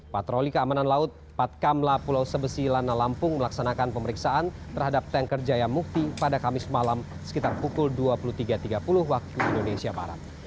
patroli keamanan laut patkamla pulau sebesi lana lampung melaksanakan pemeriksaan terhadap tanker jaya mukti pada kamis malam sekitar pukul dua puluh tiga tiga puluh waktu indonesia barat